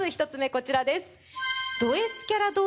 こちらです